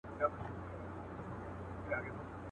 حاکم وویل بهتره ځای شېراز دئ.